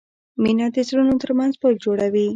مینه د زړونو ترمنځ پل جوړوي.